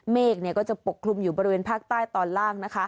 เมฆก็จะปกคลุมอยู่บริเวณภาคใต้ตอนล่าง